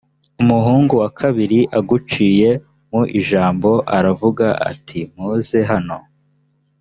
umuhungu wa kabiri aguciye mu ijambo aravuga atimuzehano